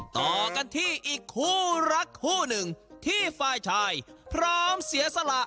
ต่อกันที่อีกคู่รักคู่หนึ่งที่ฝ่ายชายพร้อมเสียสละ